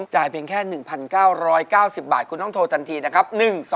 เพียงแค่๑๙๙๐บาทคุณต้องโทรทันทีนะครับ